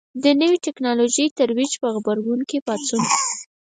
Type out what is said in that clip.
د نوې ټکنالوژۍ ترویج په غبرګون کې پاڅون.